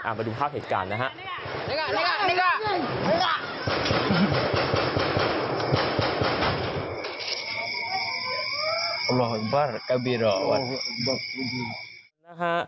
ไปดูภาพเหตุการณ์นะฮะ